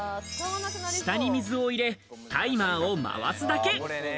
下に水を入れ、タイマーを回すだけ。